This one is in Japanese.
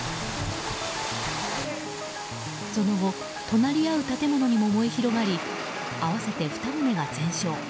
その後隣り合う建物にも燃え広がり合わせて２棟が全焼。